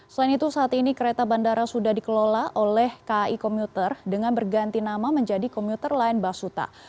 selain itu saat ini kereta bandara sudah dikelola oleh kai komuter dengan berganti nama menjadi komuter line basuta